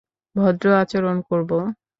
ভদ্র আচরণ করব!